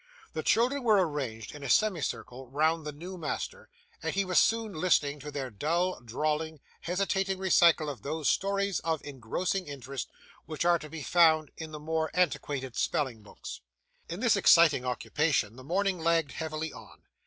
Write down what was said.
The children were arranged in a semicircle round the new master, and he was soon listening to their dull, drawling, hesitating recital of those stories of engrossing interest which are to be found in the more antiquated spelling books. In this exciting occupation, the morning lagged heavily on.